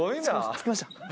着きました。